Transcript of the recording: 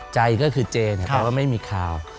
ใจก็คือเจแต่ว่าไม่มีข่าว